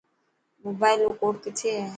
موبائل رو ڪوڊ ڪٿي هي.